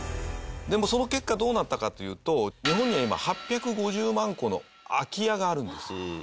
でもその結果どうなったかというと日本には今８５０万戸の空き家があるんですよ。